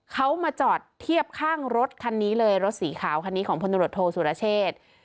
เขามาจอดเทียบข้างรถคันนี้เลยรถสีขาวคันนี้ของพลตรวจโทษสุรเชษ